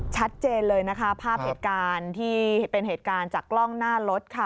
ชัดเจนเลยนะคะภาพเหตุการณ์ที่เป็นเหตุการณ์จากกล้องหน้ารถค่ะ